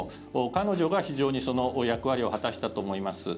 彼女が非常にその役割を果たしたと思います。